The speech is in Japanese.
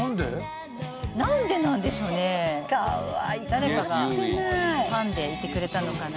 誰かがファンでいてくれたのかな？